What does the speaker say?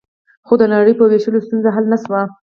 خو د نړۍ په وېشلو ستونزې حل نه شوې